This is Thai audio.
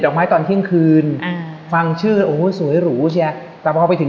ดอกไม้ตอนเที่ยงคืนฟังชื่อโอ้ยสวยหรูใช่แต่พอไปถึง